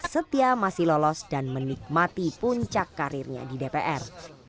setia masih lolos dan menikmati puncak karirnya di dpr